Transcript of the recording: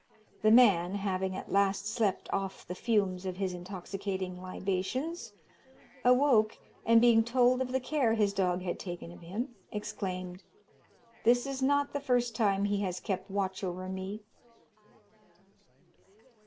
The man, having at last slept off the fumes of his intoxicating libations, awoke, and being told of the care his dog had taken of him, exclaimed, "This is not the first time he has kept watch over me."